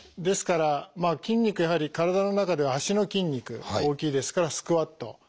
ですから筋肉やはり体の中では足の筋肉大きいですからスクワット。